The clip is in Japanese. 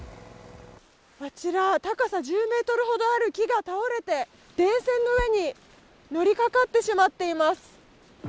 あちら高さ１０ｍほどある木が倒れて電線の上に乗りかかってしまっています。